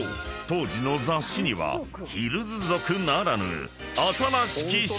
当時の雑誌にはヒルズ族ならぬ］